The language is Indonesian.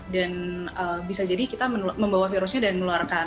dan bisa jadi kita membawa virusnya dan meluarkan